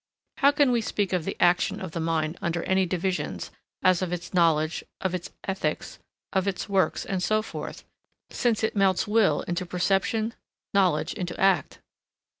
How can we speak of the action of the mind under any divisions, as of its knowledge, of its ethics, of its works, and so forth, since it melts will into perception, knowledge into act?